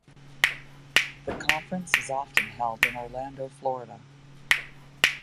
The conference is often held in Orlando, Florida.